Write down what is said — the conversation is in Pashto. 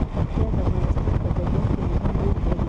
پکتیا د افغانستان په طبیعت کې مهم رول لري.